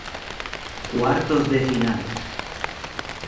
Cuartos de final